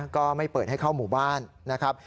ก็ไม่เปิดให้เข้าหมู่บ้านนะครับ